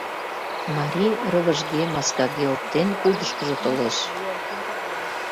Марий, рывыжге, маскаге оптен, кудышкыжо толеш.